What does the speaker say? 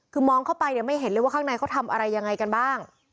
คือมองเข้าไปเนี่ยไม่เห็นเลยว่าข้างในเขาทำอะไรยังไงกันบ้าง